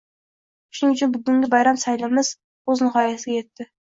Shuning bilan bugungi bayram saylimiz uz nihoyasiga yetdi.